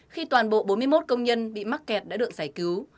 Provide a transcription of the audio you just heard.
khi toàn bộ bốn mươi một công nhân bị mắc kẹt đã được giải cứu